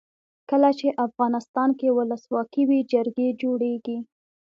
کله چې افغانستان کې ولسواکي وي جرګې جوړیږي.